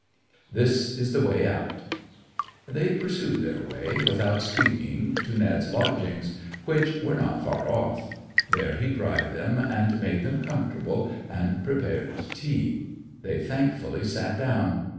This is the way out.' They pursued their way, without speaking, to Ned's lodgings, which were not far off. There he dried them and made them comfortable, and prepared tea; they thankfully sat down.